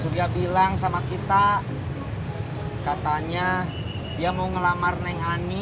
dia bilang sama kita katanya dia mau ngelamar neng ani